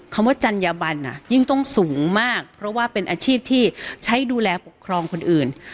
คำว่าจัญญบันยิ่งต้องสูงมากเพราะว่าเป็นอาชีพที่ใช้ดูแลปกครองคนอื่น